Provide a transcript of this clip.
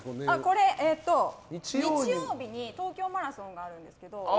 これは、日曜日に東京マラソンがあるんですけど。